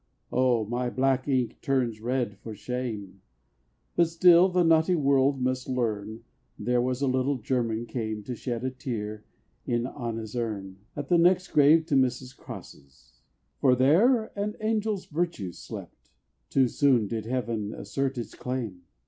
Oh! my black ink turns red for shame But still the naughty world must learn, There was a little German came To shed a tear in "Anna's Urn," At the next grave to Mr. Cross's! For there an angel's virtues slept, "Too soon did Heaven assert its claim!"